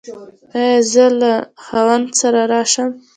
ایا زه له خاوند سره راشم؟